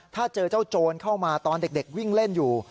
ถ้าเจอเจ้าโจรเข้ามาตอนเด็กวิ่งเล่นอยู่